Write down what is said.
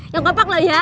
yang kompak loh ya